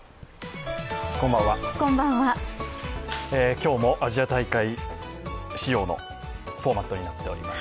今日もアジア大会仕様のフォーマットになっています。